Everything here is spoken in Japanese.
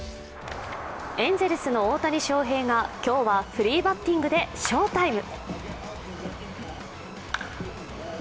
エンゼルスの大谷翔平が今日はフリーバッティングで翔タイム。